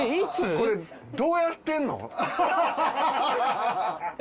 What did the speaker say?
これどうやってんの？